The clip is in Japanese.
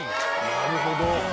なるほど。